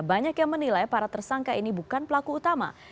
banyak yang menilai para tersangka ini bukan pelaku utama